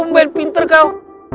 tumben pinter kau